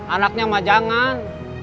anaknya mah jangan